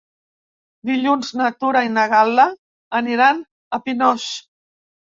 Dilluns na Tura i na Gal·la aniran a Pinós.